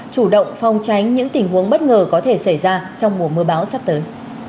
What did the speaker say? chủ động phong tránh những tình huống bất ngờ có thể xảy ra trong mùa mưa bão sắp tới